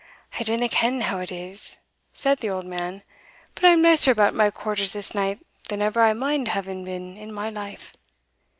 "I dinna ken how it is," said the old man, "but I am nicer about my quarters this night than ever I mind having been in my life.